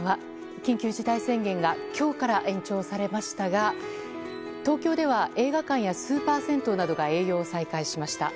緊急事態宣言が今日から延長されましたが東京では映画館やスーパー銭湯などが営業を再開しました。